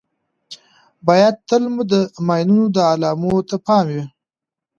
باید تل مو د ماینونو د علامو ته پام وي.